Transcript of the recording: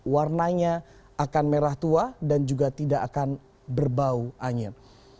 warnanya akan merah tua dan juga tidak akan berbau angin